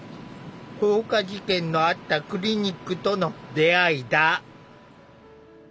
放火事件のあったクリニックとの出会いだ。